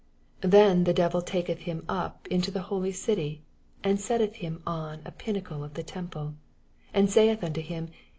6 Then the devil taketh him up into the holy dty, and setteth him on a pinnacle of the temple, 6 And saith unto nim.